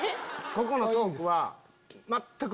ここのトークは。